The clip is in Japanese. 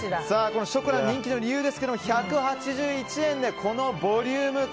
ショコラ人気の理由ですが１８１円でこのボリューム感。